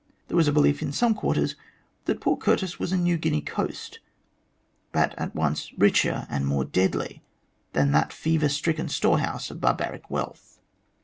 There was a belief in some quarters that Port Curtis was a New Guinea coast, but at once richer and more deadly than that fever stricken storehouse of barbaric wealth.